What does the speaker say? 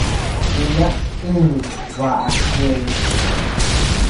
Díya inuñ baʼa ñeʼeñ.